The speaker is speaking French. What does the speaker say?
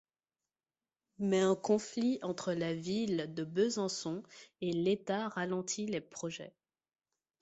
Mais un conflit entre la ville de Besançon et l'État ralentit le projet.